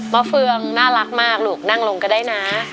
เฟืองน่ารักมากลูกนั่งลงก็ได้นะ